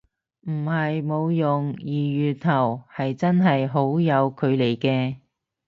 唔係冇用，二月頭係真係好有距離嘅